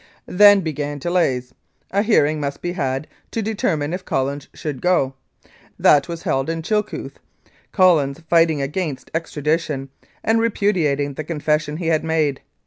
"Then began delays. A hearing must be had to determine if Collins should go. That was held in Chilli cothe, Collins fighting against extradition and repudi ating the confession he had made.